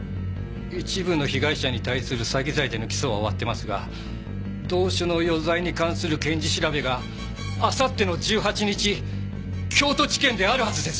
一部の被害者に対する詐欺罪での起訴は終わってますが同種の余罪に関する検事調べが明後日の１８日京都地検であるはずです！